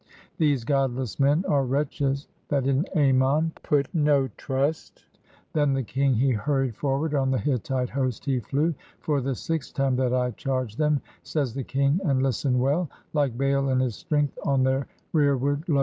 These godless men are wretches that in Ammon put no trust." Then the king, he hurried forward, on the Hittite host he flew, "For the sixth time that I charged them," says the king — and listen well, "Like Baal in his strength, on their rearward, lo!